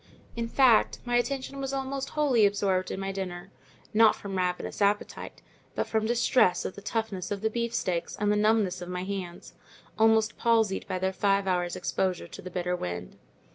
In fact, my attention was almost wholly absorbed in my dinner: not from ravenous appetite, but from distress at the toughness of the beefsteaks, and the numbness of my hands, almost palsied by their five hours' exposure to the bitter wind.